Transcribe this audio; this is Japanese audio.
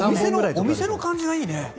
お店の感じがいいね。